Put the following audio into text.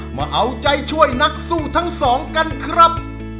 มาเอาใจช่วยนักสู้ทั้งสองกันครับ